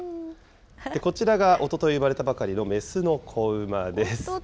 こちらがおととい生まれたばかりの雌の子馬です。